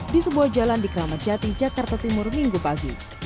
di sebuah jalan di kramatjati jakarta timur minggu pagi